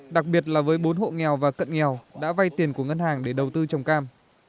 đặc biệt là với bốn hộ nghèo và cận nghèo đã vay tiền của ngân hàng để đầu tư trồng cam